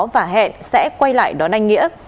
và hẹn sẽ quay lại đón anh nghĩa